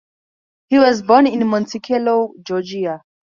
He was born in Monticello, Georgia.